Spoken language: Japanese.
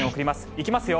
いきますよ。